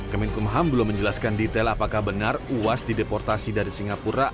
kemenkumham belum menjelaskan detail apakah benar uas dideportasi dari singapura